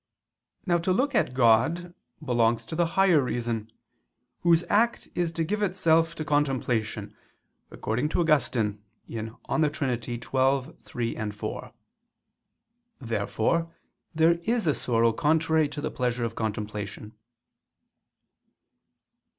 Now to look at God belongs to the higher reason, whose act is to give itself to contemplation, according to Augustine (De Trin. xii, 3, 4). Therefore there is a sorrow contrary to the pleasure of contemplation.